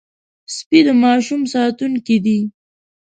سپي د ماشوم ساتونکي دي.